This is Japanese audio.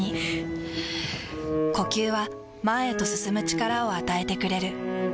ふぅ呼吸は前へと進む力を与えてくれる。